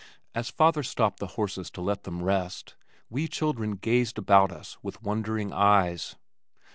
As father stopped the horses to let them rest, we children gazed about us with wondering eyes.